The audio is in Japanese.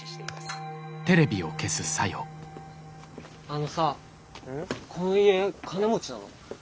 あのさこの家金持ちなの？